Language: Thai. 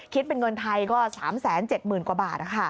คิดเป็นเงินไทยก็๓๗๐๐๐กว่าบาท